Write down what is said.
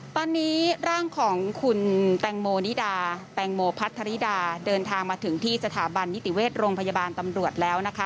ตอนนี้ร่างของคุณแตงโมนิดาแตงโมพัทธริดาเดินทางมาถึงที่สถาบันนิติเวชโรงพยาบาลตำรวจแล้วนะคะ